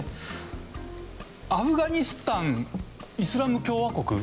アフガニスタン・イスラム共和国？